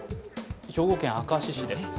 兵庫県明石市です。